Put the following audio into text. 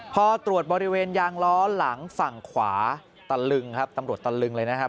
พอตรวจบริเวณยางล้อหลังฝั่งขวาตำรวจตำรึงเลยนะครับ